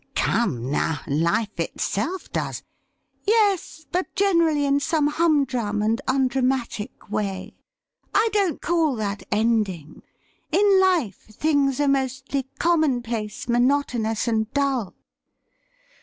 ' Come, now ; life itself does' '' Yes ; but generally in some humdrum and undramatic way. I don't call that ending. In life things are mostly commonplace, monotonous, and dull.'